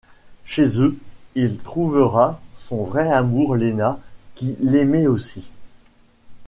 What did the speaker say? Chez eux, il trouvera son vrai amour Lena qui l'aimait aussi.